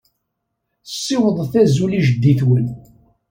Ssiwḍet azul i jeddi-twen.